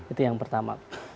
itu yang pertama